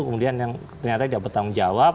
kemudian yang ternyata tidak bertanggung jawab